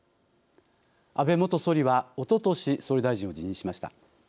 安倍元総理はおととし総理大臣を辞任しました。